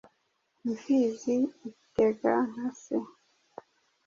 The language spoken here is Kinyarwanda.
Imfizi itega nka se!